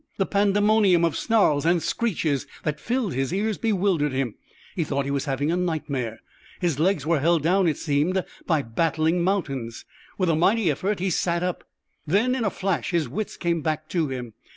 The pandemonium of snarls and screeches that filled his ears bewildered him. He thought he was having a nightmare. His legs were held down, it seemed, by battling mountains. With a mighty effort he sat up. Then in a flash his wits came back to him.